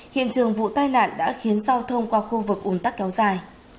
hiện trường vụ tai nạn đã khiến giao thông qua khu vực ủn tắc kéo dài